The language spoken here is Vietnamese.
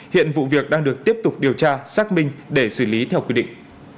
hiện vụ việc đang được tiếp tục điều tra xác minh để xử lý theo quy định